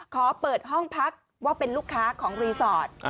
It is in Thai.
ขอเปิดห้องพักว่าเป็นลูกค้าของรีสอร์ท